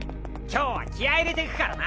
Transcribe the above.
「今日は気合入れていくからな」